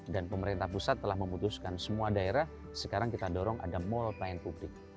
dan pemerintah pusat telah memutuskan semua daerah sekarang kita dorong ada mall plain public